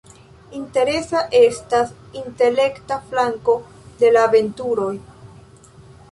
Interesa estas intelekta flanko de la aventuroj.